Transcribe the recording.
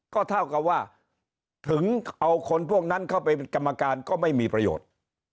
ก็เท่ากับว่าถึงเอาคนพวกนั้นเข้าไปเป็นกรรมการก็ไม่มีประโยชน์